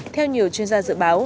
theo nhiều chuyên gia dự báo